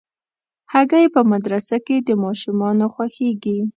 هګۍ په مدرسه کې د ماشومانو خوښېږي.